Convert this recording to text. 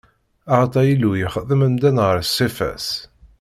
Axaṭer Illu yexdem amdan ɣef ṣṣifa-s.